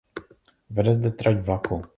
Vede zde trať vlaku.